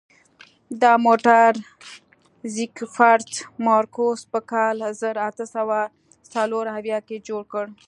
دا موټر زیکفرد مارکوس په کال زر اته سوه څلور اویا کې جوړ کړ.